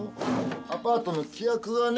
アパートの規約がね